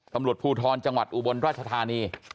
ตำรวจภูทรจังหวัดอุบลราชธานี